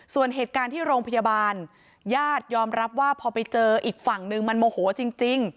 ส่วนเหตุการณ์ที่โรงพยาบาลญาติยอมรับว่าพอไปเจออีกฝั่งนึงมันโมโหจริง